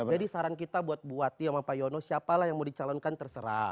jadi saran kita buat buati sama pak yono siapalah yang mau dicalonkan terserah